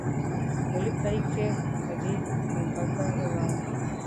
Muri parike hari imbaga y'abantu.